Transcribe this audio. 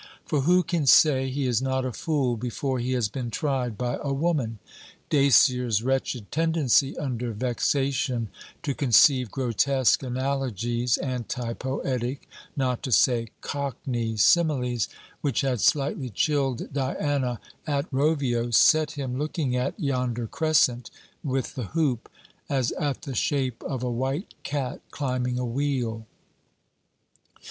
For who can say he is not a fool before he has been tried by a woman! Dacier's wretched tendency under vexation to conceive grotesque analogies, anti poetic, not to say cockney similes, which had slightly chilled Diana at Rovio, set him looking at yonder crescent with the hoop, as at the shape of a white cat climbing a wheel.